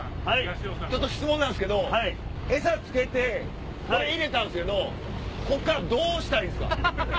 ちょっと質問なんすけどエサ付けてこれ入れたんすけどこっからどうしたらいいんすか？